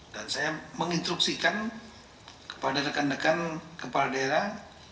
dan saya menginstruksikan kepada rekan rekan kepala daerah